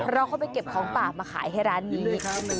เราเข้าไปเก็บของป่ามาขายให้ร้านนี้